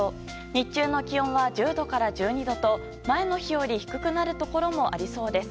日中の気温は１０度から１２度と前の日より低くなるところもありそうです。